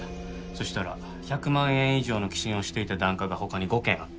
そしたら１００万円以上の寄進をしていた檀家が他に５軒あった。